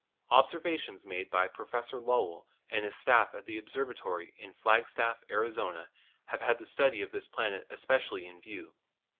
Observations made by Professor Lowell and his staff at the observatory at Flagstaff, Arizona, have had the study of this planet especially in view.